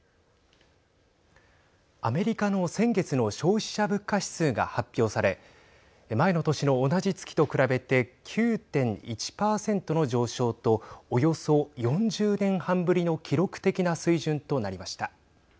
アメリカの先月の消費者物価指数が発表され前の年の同じ月と比べて９．１％の上昇とおよそ４０年半ぶりの記録的な水準となりました。